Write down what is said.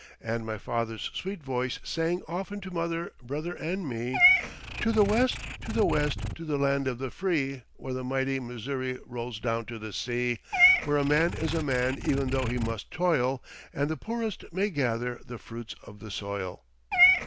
And my father's sweet voice sang often to mother, brother, and me: "To the West, to the West, to the land of the free, Where the mighty Missouri rolls down to the sea; Where a man is a man even though he must toil And the poorest may gather the fruits of the soil."